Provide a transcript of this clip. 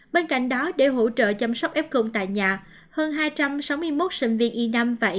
bên cạnh đó để hỗ trợ chăm sóc ép cung tại nhà hơn hai trăm sáu mươi một sinh viên y năm và y sáu